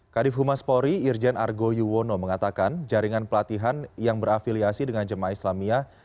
kadif humas polri irjen argo yuwono mengatakan jaringan pelatihan yang berafiliasi dengan jemaah islamiyah